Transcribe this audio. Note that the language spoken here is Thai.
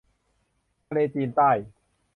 ทะเลจีนใต้